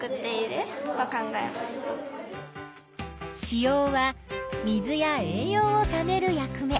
子葉は水や栄養をためる役目。